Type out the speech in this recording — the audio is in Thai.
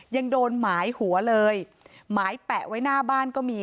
ยังโดนหมายหัวเลยหมายแปะไว้หน้าบ้านก็มี